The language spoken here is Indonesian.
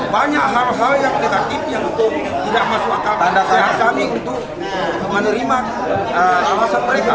banyak hal hal yang kita tipik untuk tidak masuk akal bandar sehat kami untuk menerima kekuasaan mereka